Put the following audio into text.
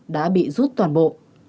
đã bị rút toàn bộ